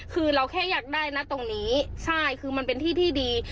คือเราแค่อยากได้นะตรงนี้ใช่คือมันเป็นที่ที่ดี